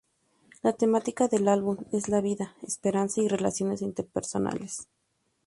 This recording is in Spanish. La temática del álbum es la vida, esperanza y relaciones interpersonales.